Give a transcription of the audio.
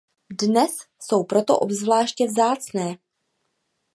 Dnes jsou proto obzvláště vzácné.